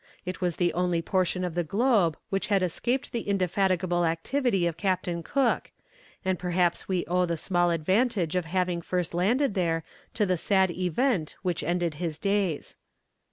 It was the only portion of the globe which had escaped the indefatigable activity of Captain Cook; and perhaps we owe the small advantage of having first landed there to the sad event which ended his days.